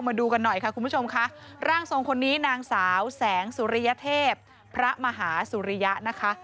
มาดูกันหน่อยค่ะคุณผู้ชมค่ะร่างทรงคนนี้นางสาวแสงสุริยเทพพระมหาสุริยะนะคะ